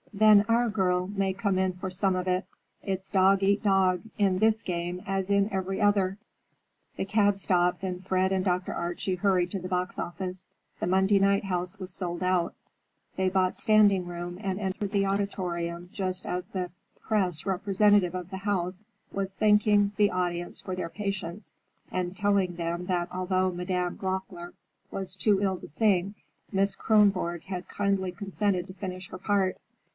"Then our girl may come in for some of it. It's dog eat dog, in this game as in every other." The cab stopped and Fred and Dr. Archie hurried to the box office. The Monday night house was sold out. They bought standing room and entered the auditorium just as the press representative of the house was thanking the audience for their patience and telling them that although Madame Gloeckler was too ill to sing, Miss Kronborg had kindly consented to finish her part.